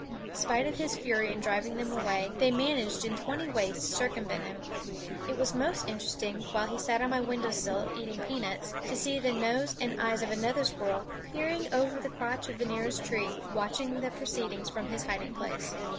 Spite of his fury in driving them away, they managed in twenty ways to circumvent him. It was most interesting, while he sat on my window sill eating peanuts, to see the nose and eyes of another squirrel peering over the crotch of the nearest tree, watching the proceedings from his hiding place.